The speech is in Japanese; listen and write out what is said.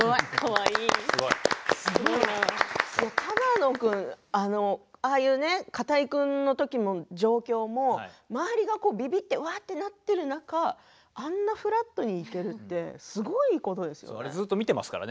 只野君ああいう片居君のときの状況も周りがびびっている中あんなにフラットに出るってすごいことですよね。